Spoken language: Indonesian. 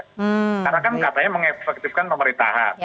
karena kan katanya mengefektifkan pemerintahan